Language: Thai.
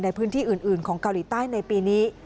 ในพื้นที่อื่นของเกาหลีใต้ในปีนี้